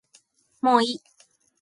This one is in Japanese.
もういい